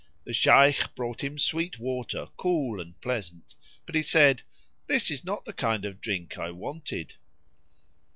The Shaykh brought him sweet water, cool and pleasant, but he said, "This is not the kind of drink I wanted."